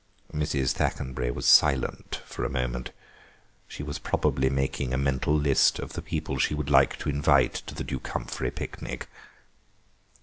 Mrs. Thackenbury was silent for a moment; she was probably making a mental list of the people she would like to invite to the Duke Humphrey picnic.